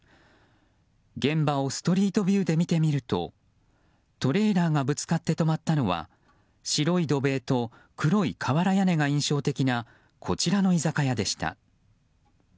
現場をストリートビューで見てみるとトレーラーがぶつかって止まったのは白い土塀と黒い瓦屋根が印象的なこちらの居酒屋でした。